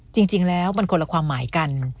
จริงแล้วมันคนละความหมายกัน